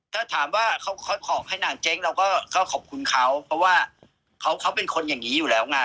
ถ้าถามว่าเขาขอให้หนังเจ๊งเราก็ขอบคุณเขาเพราะว่าเขาเป็นคนอย่างนี้อยู่แล้วไง